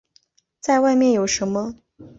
再外面有什么